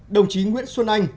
đồng chí nguyễn xuân anh